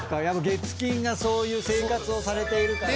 月金がそういう生活をされているから。